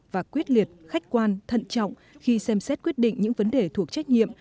và quyết liệt khách quan thận trọng khi xem xét quyết định những vấn đề thuộc trách nhiệm